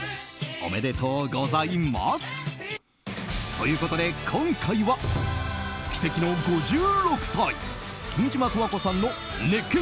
おめでとうございます！ということで今回は奇跡の５６歳君島十和子さんの熱血！